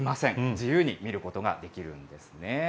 自由に見ることができるんですね。